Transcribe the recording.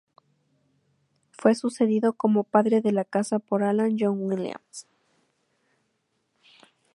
Fue sucedido como padre de la casa por Alan John Williams.